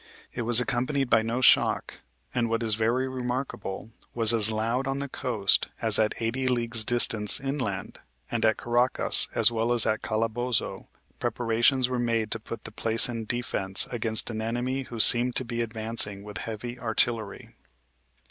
It was accompanied by no shock, and, what is very remarkable, was as loud on the coast as at eighty leagues' distance inland, and at Caracas, as well as at Calabozo, preparations were made to put the place in defence against an enemy who seemed to be advancing with heavy artillery."